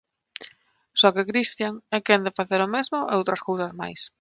Só que Christian é quen de facer o mesmo e outras cousas máis.